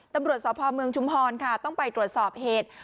ตำรวจสพเมืองชุมพรค่ะต้องไปตรวจสอบเหตุ